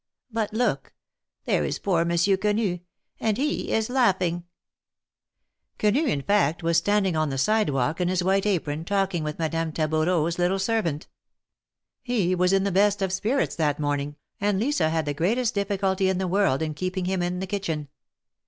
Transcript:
But look ! there is poor Monsieur Quenu, and he is laughing !" Quenu, in fact, was standing on the sidewalk in his white apron, talking with Madame Taboureau's little ser vant. He was in the best of spirits that morning, and Lisa had the greatest difficulty in the world in keeping him in the kitchen.